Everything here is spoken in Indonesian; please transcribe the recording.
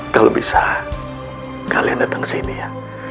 kalau bisa kalian datang ke sini ya